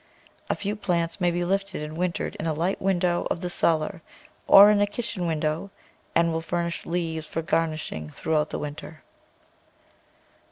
A few plants may be lifted and wintered in a light window of the cellar or in a kitchen window and will furnish leaves for gar nishing throughout the winter.